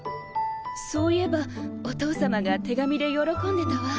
そういえばお父さまが手紙で喜んでたわ。